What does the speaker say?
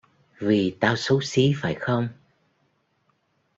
vì tao xấu xí phải không